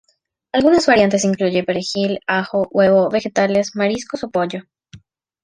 Algunas variantes incluyen perejil, ajo, huevo, vegetales, mariscos o pollo.